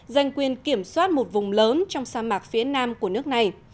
giành quyền kiểm soát một vùng lớn trong sa mạc phía nam của nước này